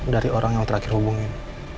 dari orang yang terakhir hubungin